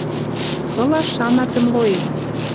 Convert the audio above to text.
Кылаш шана тӹ млоец?